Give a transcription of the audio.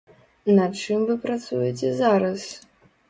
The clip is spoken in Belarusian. Над чым вы працуеце зараз?